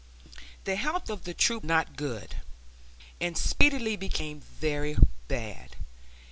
The health of the troops was not good, and speedily became very bad.